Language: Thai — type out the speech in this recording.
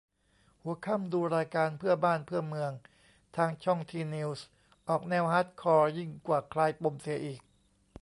หัวค่ำ ดูรายการ "เพื่อบ้านเพื่อเมือง" ทางช่อง ทีนิวส์ ออกแนวฮาร์ดคอร์ยิ่งกว่า "คลายปม" เสียอีก